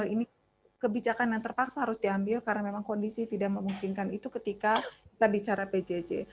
ini kebijakan yang terpaksa harus diambil karena memang kondisi tidak memungkinkan itu ketika kita bicara pjj